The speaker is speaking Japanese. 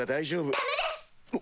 ダメです！